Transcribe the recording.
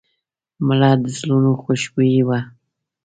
مړه د زړونو خوشبويي وه